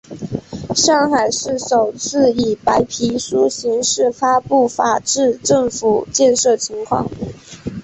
上海市首次以白皮书形式发布法治政府建设情况。